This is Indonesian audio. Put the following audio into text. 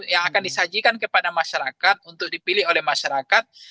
yang akan disajikan kepada masyarakat untuk dipilih oleh masyarakat